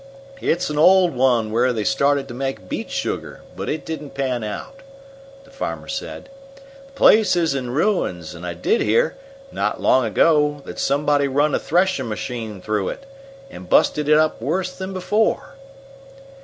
"It's an old one where they started to make beet sugar, but it didn't pan out," the farmer said. "The place is in ruins, and I did hear, not long ago, that somebody run a threshin' machine through it, an' busted it up worse than before."